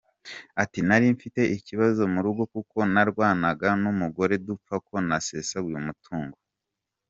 Ati “Nari mfite ikibazo mu rugo kuko narwanaga n’umugore dupfa ko nasesaguye umutungo.